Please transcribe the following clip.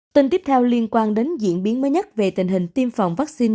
tin tiếp theo liên quan đến diễn biến mới nhất về tình hình tiêm phòng vaccine